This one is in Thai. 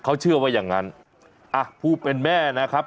เขาเชื่อว่าอย่างงั้นอ่ะผู้เป็นแม่นะครับ